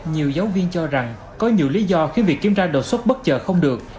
nhiều giáo viên cho rằng có nhiều lý do khiến việc kiểm tra đồ sốt bất chờ không được